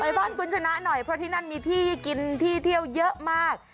ไปบ้านคุณชนะหน่อยเพราะที่นั่นมีที่กินที่เที่ยวเยอะมาก